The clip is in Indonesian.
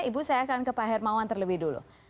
ibu saya akan ke pak hermawan terlebih dulu